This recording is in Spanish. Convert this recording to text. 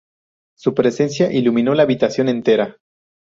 Su presencia iluminó la habitación entera.